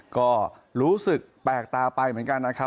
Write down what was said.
ก็รู้สึกแปลกตาไปเหมือนกันนะครับ